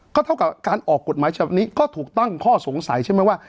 ก็เท่ากับการออกกฎหมายฉบับนี้ก็ถูกตั้งข้อสงสัยใช่ไหมว่า